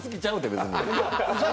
別に。